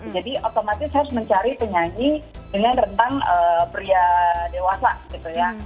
jadi otomatis harus mencari penyanyi dengan rentang pria dewasa gitu ya